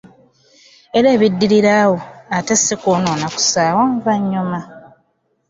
Era ebiddirira awo ate si kumwonoona ku ssaawa nvannyuma.